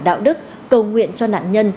đạo đức cầu nguyện cho nạn nhân